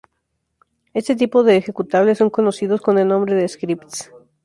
Este tipo de ejecutables son conocidos con el nombre de "scripts".